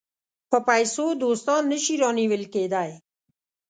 په پیسو دوستان نه شي رانیول کېدای.